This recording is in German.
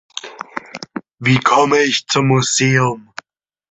Wie komme ich zum Museum?